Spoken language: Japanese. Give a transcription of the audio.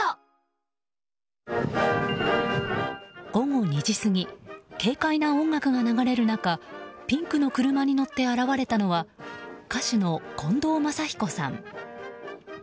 午後２時過ぎ軽快な音楽が流れる中ピンクの車に乗って現れたのは歌手の近藤真彦さん。